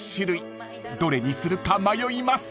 ［どれにするか迷います］